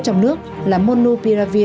trong nước là monopiravir